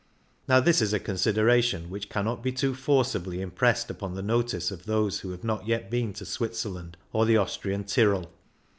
Now this is a con sideration which cannot be too forcibly impressed upon the notice of those who have not yet been to Switzerland or the Austrian Tyrol.